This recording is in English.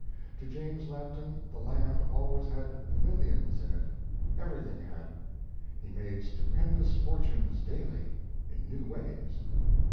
To James Lampton the land always had "millions in it" everything had. He made stupendous fortunes daily, in new ways.